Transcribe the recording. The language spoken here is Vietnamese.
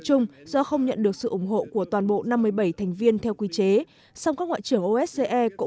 chung do không nhận được sự ủng hộ của toàn bộ năm mươi bảy thành viên theo quy chế song các ngoại trưởng osce cũng